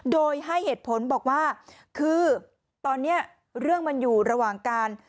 โดยให้เหตุผลบอกว่าคือตอนนี้เรื่องมันอยู่ระหว่างการ